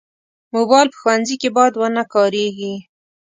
موبایل په ښوونځي کې باید ونه کارېږي.